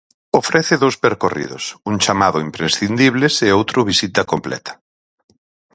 Ofrece dous percorridos, un chamado Imprescindibles e o outro Visita completa.